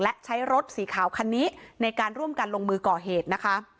และใช้รถสีขาวคันนี้ในการร่วมกันลงมือก่อเหตุนะคะ